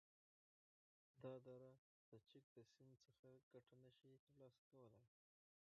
دا دره د چک د سیند څخه گټه نشی تر لاسه کولای،